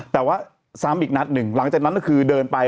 แต่ว่าซ้ำอีกนัดหนึ่งหลังจากนั้นก็คือเดินไป